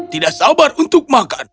tidak sabar untuk makan